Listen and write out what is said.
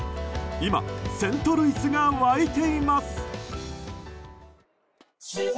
今、セントルイスが沸いています。